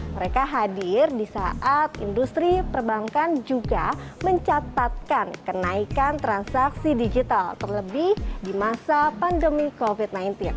mereka hadir di saat industri perbankan juga mencatatkan kenaikan transaksi digital terlebih di masa pandemi covid sembilan belas